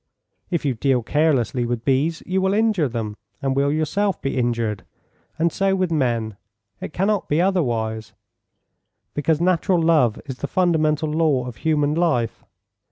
If you deal carelessly with bees you will injure them, and will yourself be injured. And so with men. It cannot be otherwise, because natural love is the fundamental law of human life.